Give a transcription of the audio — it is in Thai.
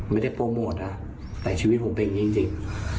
ไม่ได้โปรโมทนะแต่ชีวิตผมเป็นอย่างนี้จริง